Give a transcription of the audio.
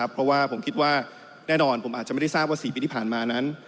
เพราะว่าผมคิดว่าแน่นอนผมอาจจะไม่ได้ทราบว่า๔ปีที่ผ่านมานั้น